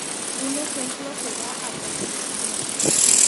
Un ejemplo se da a continuación.